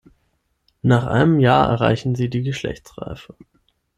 Nach einem Jahr erreichen sie die Geschlechtsreife.